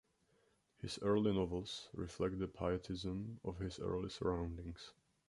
His early novels reflect the Pietism of his early surroundings.